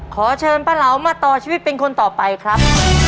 ขอเชิญป้าเหลามาต่อชีวิตเป็นคนต่อไปครับ